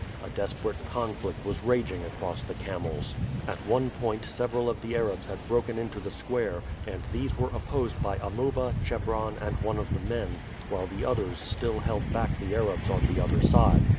A desperate conflict was raging across the camels. At one point several of the Arabs had broken into the square, and these were opposed by Amuba, Chebron, and one of the men, while the others still held back the Arabs on the other side.